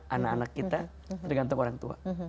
anak anak kita tergantung orang tua